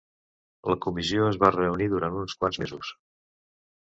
La comissió es va reunir durant uns quants mesos.